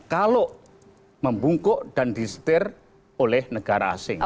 kalau membungkuk dan disetir oleh negara asing